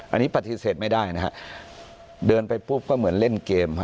อันนี้ปฏิเสธไม่ได้นะฮะเดินไปปุ๊บก็เหมือนเล่นเกมฮะ